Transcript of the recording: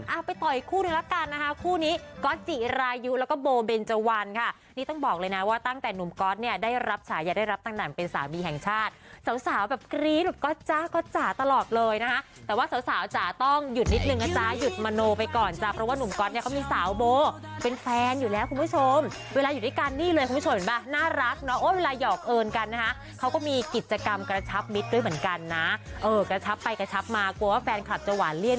อ้าวไปต่ออีกคู่หนึ่งแล้วกันคู่นี้ก๊อตสิรายุแล้วก็โบเบนเจาันค่ะนี่ต้องบอกเลยนะว่าตั้งแต่หนุ่มก๊อตเนี่ยได้รับฉายาได้รับตั้งแต่เป็นสามีแห่งชาติสาวแบบกรี๊ดแบบก๊อตจ้าตลอดเลยนะคะแต่ว่าสาวจ้าต้องหยุดนิดนึงอ่ะจ้าหยุดมโนไปก่อนจ้าเพราะว่าหนุ่มก๊อตเนี่ยเขามีสาวโบเป็นแฟน